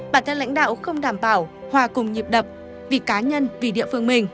bản thân lãnh đạo không đảm bảo hòa cùng nhịp đập vì cá nhân vì địa phương mình